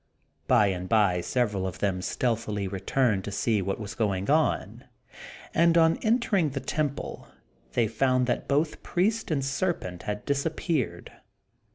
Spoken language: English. By and by several of them stealthily returned to see what was going on; and, on entering the temple, they found that both priest and serpent had disappeared.